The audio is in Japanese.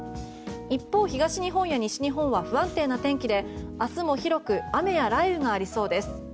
一方、東日本や西日本は不安定な天気で明日も広く雨や雷雨がありそうです。